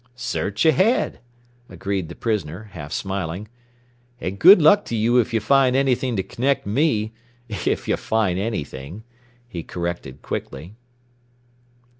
"Search ahead," agreed the prisoner, half smiling. "And good luck to you if you find anything to connect me if you find anything," he corrected quickly.